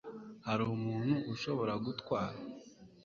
Hari umuntu ushobora gutwara